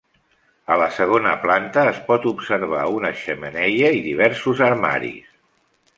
A la segona planta, es pot observar una xemeneia i diversos armaris.